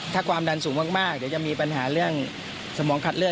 ถ้าความดันสูงมากเดี๋ยวจะมีปัญหาเรื่องสมองขัดเลือ